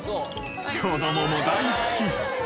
子どもも大好き。